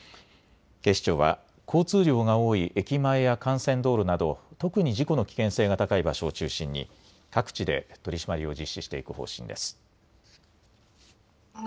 警視庁は交通量が多い駅前や幹線道路など特に事故の危険性が高い場所を中心に各地で取締りを実施していく方針です。